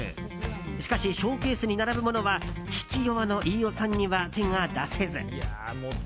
しかしショーケースに並ぶものは引き弱の飯尾さんには手が出せず。